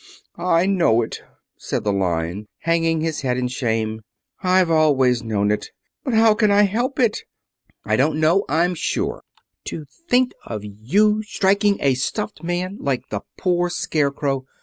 "I know it," said the Lion, hanging his head in shame. "I've always known it. But how can I help it?" "I don't know, I'm sure. To think of your striking a stuffed man, like the poor Scarecrow!"